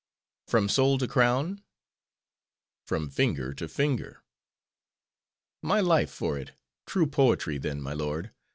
"From sole to crown?" "From finger to finger." "My life for it! true poetry, then, my lord!